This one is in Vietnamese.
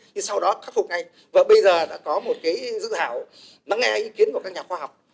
nhưng sau đó khắc phục ngay và bây giờ đã có một cái dự thảo nắng nghe ý kiến của các nhà khoa học